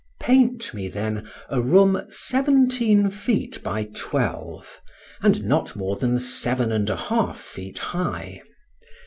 Paint me, then, a room seventeen feet by twelve, and not more than seven and a half feet high.